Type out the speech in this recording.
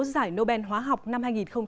giải nobel hóa học năm hai nghìn một mươi chín